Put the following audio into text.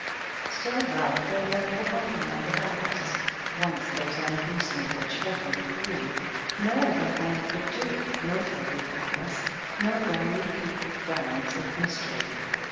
So well they loved the Wonderland of Alice, Once, those unreasonable children three, No other land would do ; no fairy palace. No brownie peopled realms of mystery.